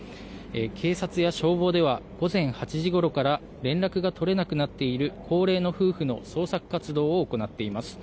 警察や消防では午前８時ごろから連絡が取れなくなっている高齢の夫婦の捜索活動を行っています。